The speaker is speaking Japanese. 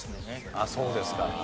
そうですか。